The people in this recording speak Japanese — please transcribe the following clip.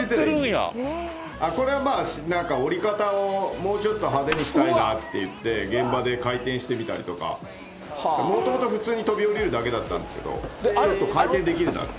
これはまあ、なんか降り方をもうちょっと派手にしたいなっていって、現場で回転してみたりとか。もともと普通に飛び降りるだけだったんですけど、ちょっと回転できるなって。